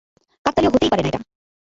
কাকতালীয় হতেই পারে না এটা।